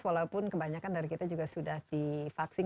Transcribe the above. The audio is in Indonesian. walaupun kebanyakan dari kita juga sudah divaksin